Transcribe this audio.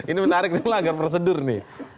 ini menarik nih melanggar prosedur nih